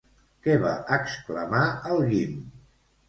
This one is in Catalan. Què va exclamar el Guim?